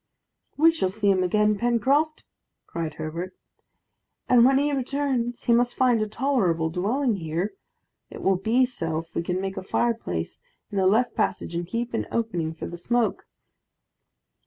"We shall see him again, Pencroft," cried Herbert, "and when he returns he must find a tolerable dwelling here. It will be so, if we can make a fireplace in the left passage and keep an opening for the smoke."